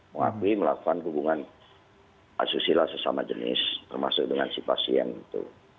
mengakui melakukan hubungan asusila sesama jenis termasuk dengan si pasien itu